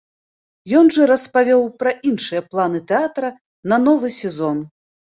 Ён жа распавёў пра іншыя планы тэатра на новы сезон.